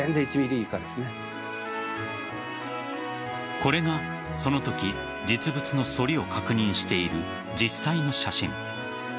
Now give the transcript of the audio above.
これが、そのとき実物の反りを確認している実際の写真。